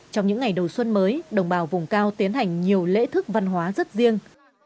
trong những ngày đầu xuân mới đồng bào vùng cao tiến hành nhiều lễ thức văn hóa rất riêng